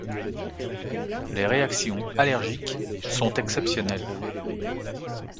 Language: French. Les réactions allergiques sont exceptionnelles.